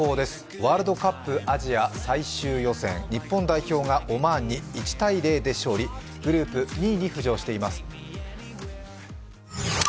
ワールドカップアジア最終予選、日本代表がオマーンに１−０で勝利、グループ２位に浮上しています。